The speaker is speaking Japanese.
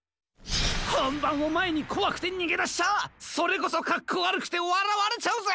ほんばんをまえにこわくてにげだしちゃそれこそかっこわるくてわらわれちゃうぜ！